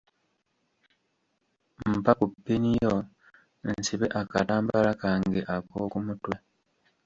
Mpa ku ppini yo nsibe akatambaala kange ak'oku mutwe